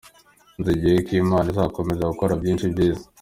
Nizeye ko Imana izakomeza gukora byinshi byiza.